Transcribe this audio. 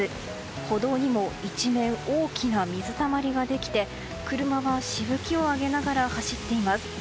歩道にも一面、大きな水たまりができて車がしぶきを上げながら走っています。